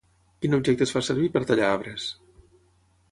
Quin objecte es fa servir per tallar arbres?